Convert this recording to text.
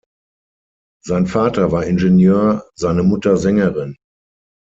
Sein Vater war Ingenieur, seine Mutter Sängerin.